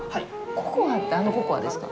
ココアって、あのココアですか？